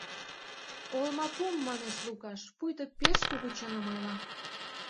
— Олмапум, — манеш Лукаш, пуйто пеш кугу чыным ойла.